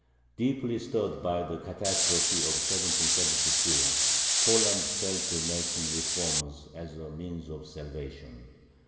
Deeply stirred by the catastrophe of 1772, Poland fell to making reforms as a means of salvation.